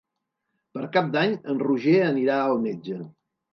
Per Cap d'Any en Roger anirà al metge.